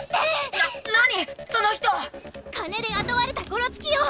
な何その人⁉金で雇われたゴロツキよ！